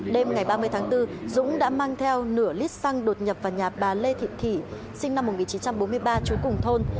đêm ngày ba mươi tháng bốn dũng đã mang theo nửa lít xăng đột nhập vào nhà bà lê thị thủy sinh năm một nghìn chín trăm bốn mươi ba trú cùng thôn